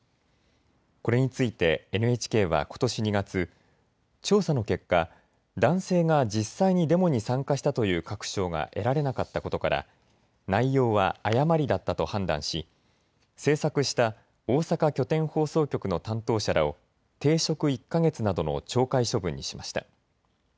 これについてＮＨＫはことし２月、調査の結果、男性が実際にデモに参加したという確証が得られなかったことから内容は誤りだったと判断し制作した大阪拠点放送局の担当者らを停職１か月などの懲戒処分にしました。